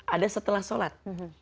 ada setelah sholat